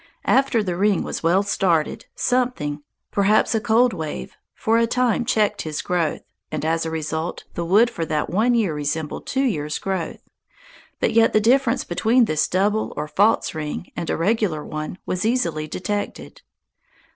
After the ring was well started, something, perhaps a cold wave, for a time checked its growth, and as a result the wood for that one year resembled two years' growth, but yet the difference between this double or false ring and a regular one was easily detected.